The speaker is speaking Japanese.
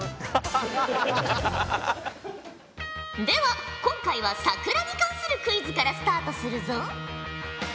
では今回は桜に関するクイズからスタートするぞ。